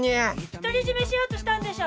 独り占めしようとしたんでしょ！